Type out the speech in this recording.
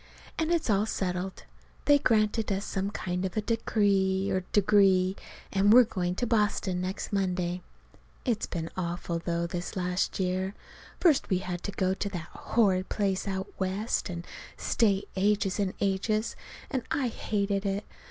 And it's all settled. They granted us some kind of a decree or degree, and we're going to Boston next Monday. It's been awful, though this last year. First we had to go to that horrid place out West, and stay ages and ages. And I hated it.